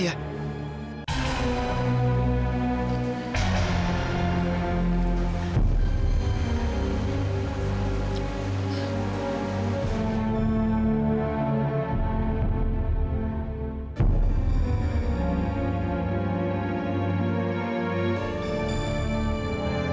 udah orang mulau